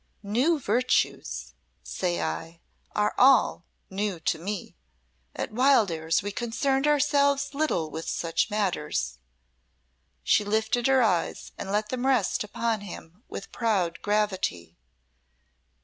"'New virtues,' say I; all are new to me. At Wildairs we concerned ourselves little with such matters." She lifted her eyes and let them rest upon him with proud gravity.